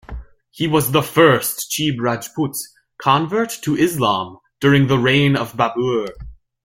He was the first Chib Rajput convert to Islam during the reign of Babur.